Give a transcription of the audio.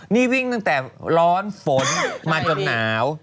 นี่วิ่งตั้งแต่ร้อนฝนมาจนหนาว